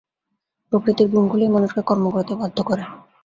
প্রকৃতির গুণগুলিই মানুষকে কর্ম করিতে বাধ্য করে।